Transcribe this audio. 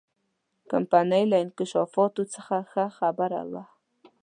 کمپنۍ له انکشافاتو څخه ښه خبره وه.